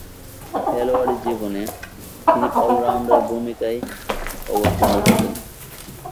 খেলোয়াড়ী জীবনে তিনি অল-রাউন্ডারের ভূমিকায় অবতীর্ণ হতেন।